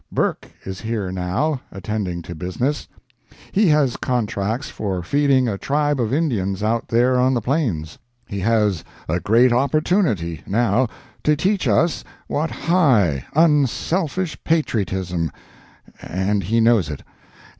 Burke is here, now, attending to business. He has contracts for feeding a tribe of Indians out there on the Plains. He has a great opportunity, now, to teach us what high, unselfish patriotism—and he knows it.